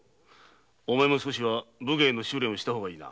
お前も少し武芸の修練をしたほうがいいな。